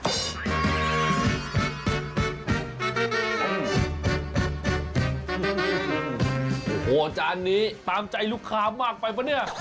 โอ้โหจานนี้ตามใจลูกค้ามากไปปะเนี่ย